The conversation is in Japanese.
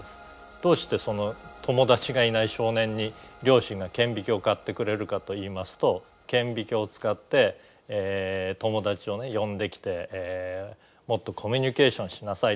どうして友達がいない少年に両親が顕微鏡を買ってくれるかといいますと顕微鏡を使って友達を呼んできてもっとコミュニケーションしなさいと。